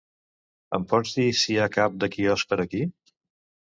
Em pots dir si hi ha cap de quiosc per aquí?